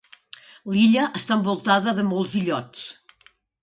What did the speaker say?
L'illa està envoltada de molts illots.